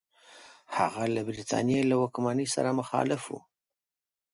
هغه له برټانیې له واکمنۍ سره مخالف وو.